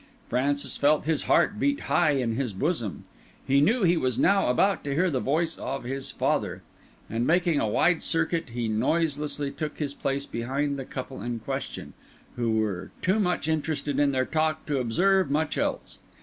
Francis felt his heart beat high in his bosom; he knew he was now about to hear the voice of his father; and making a wide circuit, he noiselessly took his place behind the couple in question, who were too much interested in their talk to observe much else.